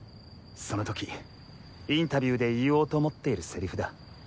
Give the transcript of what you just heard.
その時インタビューで言おうと思っているセリフだ。